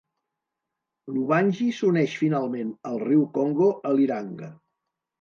L'Ubangi s'uneix finalment al riu Congo a Liranga.